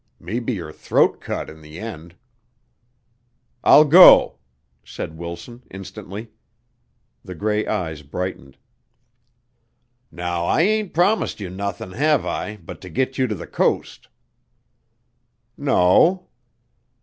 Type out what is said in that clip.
Maybe your throat cut in the end." "I'll go," said Wilson, instantly. The gray eyes brightened. "Now I ain't promised you nothin', have I, but to git you to the coast?" "No."